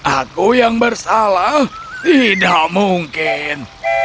aku yang bersalah tidak mungkin